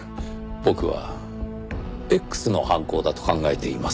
僕はＸの犯行だと考えています。